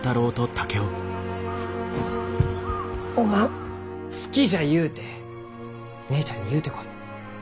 おまん「好きじゃ」ゆうて姉ちゃんに言うてこい。